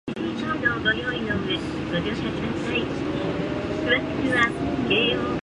すると主人は失望と怒りを掻き交ぜたような声をして、座敷の中から「この馬鹿野郎」と怒鳴った